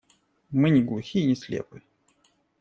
Мы не глухи и не слепы.